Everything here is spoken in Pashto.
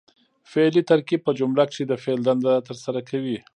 فعلي ترکیب په جمله کښي د فعل دنده ترسره کوي.